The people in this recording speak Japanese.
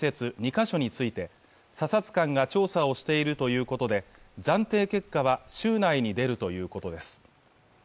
２カ所について査察官が調査をしているということで暫定結果は週内に出るということです